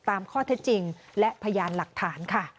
ตามข้อเท็จจริงและพยานหลักฐานค่ะ